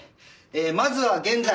まずは現在。